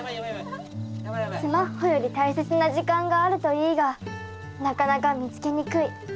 すまっほより大切な時間があるといいがなかなか見つけにくい。